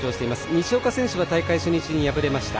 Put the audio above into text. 西岡選手は大会初日に敗れました。